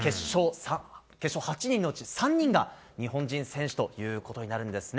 決勝８人のうち、３人が日本人選手ということになるんですね。